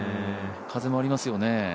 風もありますよね。